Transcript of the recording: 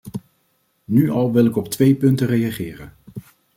Nu al wil ik op twee punten reageren.